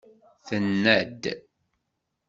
Tenna-d.